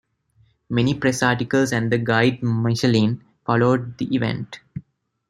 Many press articles and the Guide Michelin followed the event.